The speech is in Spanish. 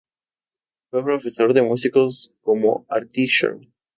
Fue profesor de músicos como Artie Shaw.